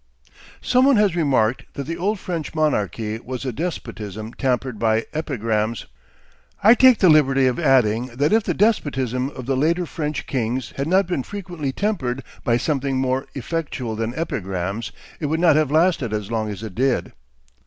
Some one has remarked that the old French monarchy was a despotism tempered by epigrams. I take the liberty of adding that if the despotism of the later French kings had not been frequently tempered by something more effectual than epigrams, it would not have lasted as long as it did.